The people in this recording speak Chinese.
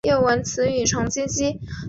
模糊翻译目前已在应用当中。